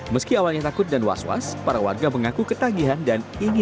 meski awalnya takut dan was was para warga mengaku ketagihan dan ingin